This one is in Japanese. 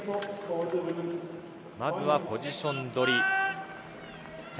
まずはポジション取り。